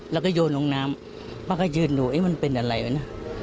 แล้วก็โยนลงน้ำป้าก็ยืนดูเอ๊ะมันเป็นอะไรวะนะ